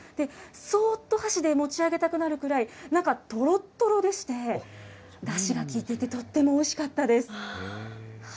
そうっと、箸で持ち上げたくなるくらい、中とろっとろでして、だしがきいていて、とってもおいしかったです。